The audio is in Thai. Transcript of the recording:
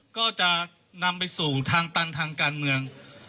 ก็จะนำไปสู่ทางตันทางการเมือง